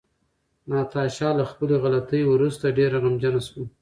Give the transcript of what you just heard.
ناتاشا له خپلې غلطۍ وروسته ډېره غمجنه شوه.